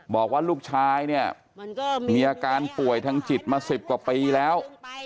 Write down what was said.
บอกว่าลูกชายเนี่ยมีอาการป่วยทางจิตมา๑๐กว่าปีแล้ว